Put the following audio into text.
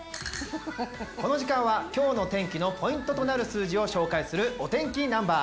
この時間は今日の天気のポイントとなる数字を紹介するお天気ナンバー。